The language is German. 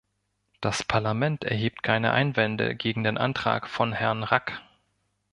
Das Parlament erhebt keine Einwände gegen den Antrag von Herrn Rack.